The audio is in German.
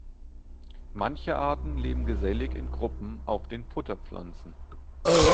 Manche Arten leben gesellig in Gruppen auf den Futterpflanzen.